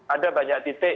ada banyak titik